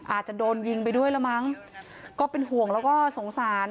อาจจะโดนยิงไปด้วยละมั้งก็เป็นห่วงแล้วก็สงสาร